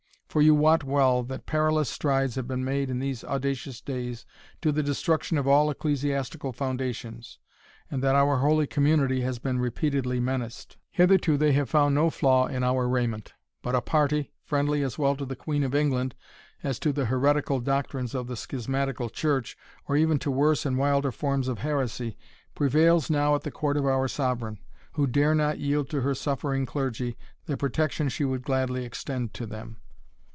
For you wot well, that perilous strides have been made in these audacious days, to the destruction of all ecclesiastical foundations, and that our holy community has been repeatedly menaced. Hitherto they have found no flaw in our raiment; but a party, friendly as well to the Queen of England, as to the heretical doctrines of the schismatical church, or even to worse and wilder forms of heresy, prevails now at the court of our sovereign, who dare not yield to her suffering clergy the protection she would gladly extend to them."